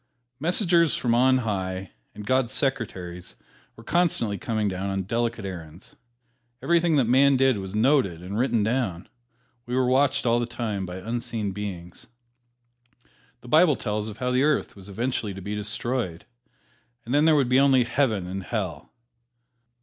"Messengers from on high" and God's secretaries were constantly coming down on delicate errands. Everything that man did was noted and written down. We were watched all the time by unseen beings. The Bible tells of how the Earth was eventually to be destroyed, and then there would be only Heaven and Hell.